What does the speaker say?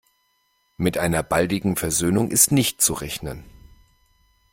Mit einer baldigen Versöhnung ist nicht zu rechnen.